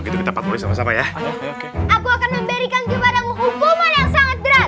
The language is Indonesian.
gitu kita patroli sama sama ya aku akan memberikan kepadamu hukuman yang sangat